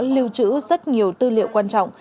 lưu trữ rất nhiều tư liệu quan trọng